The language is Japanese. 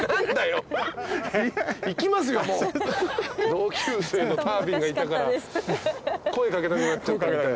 同級生のタービンがいたから声掛けたくなっちゃったみたい。